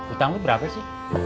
utangnya berapa sih